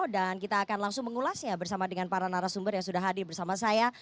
dan kita akan langsung mengulasnya bersama dengan para narasumber yang sudah hadir bersama saya